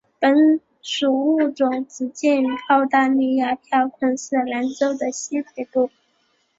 本属物种只见于澳大利亚昆士兰州的西北部。